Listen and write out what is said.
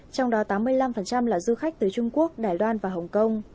trong đó tám mươi năm là du khách từ trung quốc đài loan và hồng kông